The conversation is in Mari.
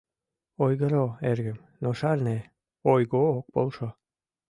«Ойгыро, эргым, но шарне: ойго ок полшо.